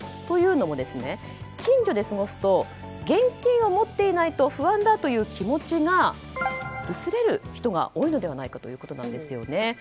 というのも近所で過ごすと現金を持っていないと不安だという気持ちが薄れる人が多いのではないかということなんですね。